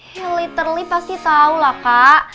ya literally pasti tahu lah kak